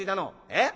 えっ！